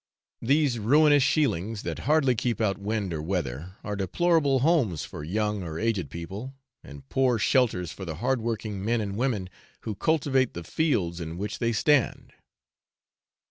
These ruinous shielings, that hardly keep out wind or weather, are deplorable homes for young or aged people, and poor shelters for the hardworking men and women who cultivate the fields in which they stand.